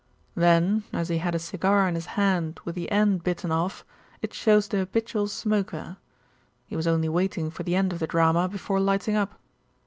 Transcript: "Then, as he had a cigar in his hand with the end bitten off, it shows the habitual smoker. He was only waiting for the end of the drama before lighting up.